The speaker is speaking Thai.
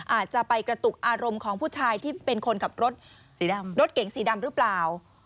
อาจจะไปกระตุกอารมณ์ของผู้ชายที่เป็นคนขับรถสีดำรถเก่งสีดำหรือเปล่า